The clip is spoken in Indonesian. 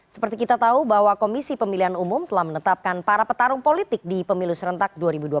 seperti kita tahu bahwa komisi pemilihan umum telah menetapkan para petarung politik di pemilu serentak dua ribu dua puluh